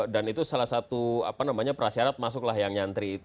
dan itu salah satu prasyarat masuklah yang nyantri